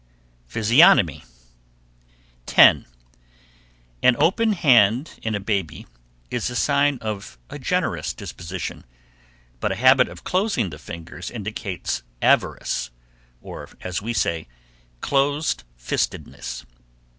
PHYSIOGNOMY. 10. An open hand in a baby is a sign of a generous disposition, but a habit of closing the fingers indicates avarice, or, as we say, closefistedness.